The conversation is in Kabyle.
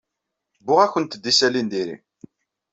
Wwiɣ-awent-d isali n diri.